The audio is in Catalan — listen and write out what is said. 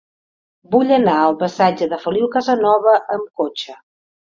Vull anar al passatge de Feliu Casanova amb cotxe.